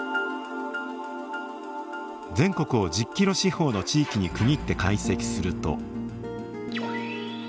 全国を１０キロ四方の地域に区切って解析すると。